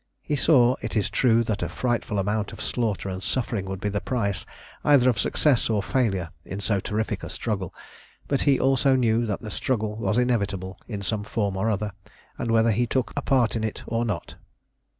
He saw, it is true, that a frightful amount of slaughter and suffering would be the price either of success or failure in so terrific a struggle; but he also knew that that struggle was inevitable in some form or other, and whether he took a part in it or not.